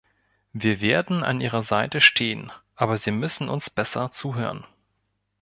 Wir werden an Ihrer Seite stehen, aber Sie müssen uns besser zuhören.